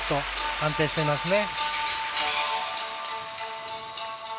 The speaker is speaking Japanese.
安定していますね。